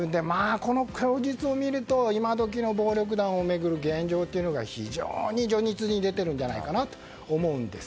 この供述を見ると今どきの暴力団を巡る現状というのが如実に出ているんじゃないかと思うんです。